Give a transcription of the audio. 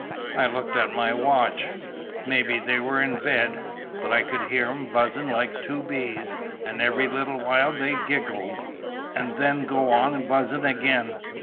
I looked at my watch. Mebby they were in bed, but I could hear 'em buzzing like two bees, and every little while they'd giggle, and then go on buzzing again.